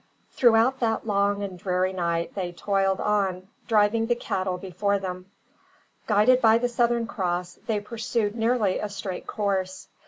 Throughout that long and dreary night they toiled on, driving the cattle before them. Guided by the Southern Cross they pursued nearly a straight course.